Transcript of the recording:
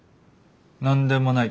何でもない。